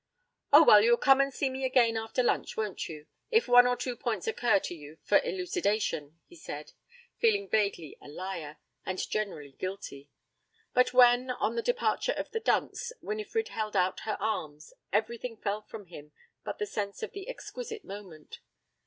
'Oh, well, you'll come and see me again after lunch, won't you, if one or two points occur to you for elucidation,' he said, feeling vaguely a liar, and generally guilty. But when, on the departure of the dunce, Winifred held out her arms, everything fell from him but the sense of the exquisite moment.